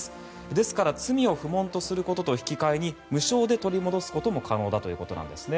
ですから、罪を不問とすることと引き換えに無償で取り戻すことも可能だということなんですね。